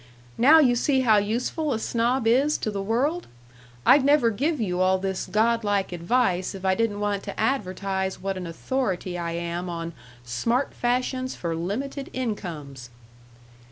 Now you see how useful a snob is to the world! I'd never give you all this god like advice if I didn't want to advertise what an authority I am on 'Smart Fashions for Limited Incomes.'"